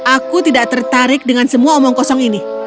aku tidak tertarik dengan semua omong kosong ini